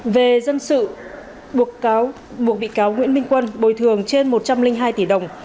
về dân sự buộc bị cáo nguyễn minh quân bồi thường trên một trăm linh hai tỷ đồng